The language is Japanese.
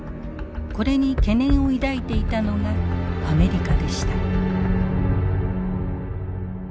これに懸念を抱いていたのがアメリカでした。